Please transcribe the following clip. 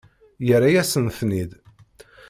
Yerra-yasen-ten-id.